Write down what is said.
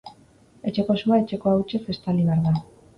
Etxeko sua etxeko hautsez estali behar da.